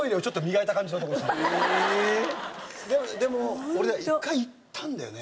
でも俺１回行ったんだよね？